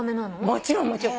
もちろんもちろん。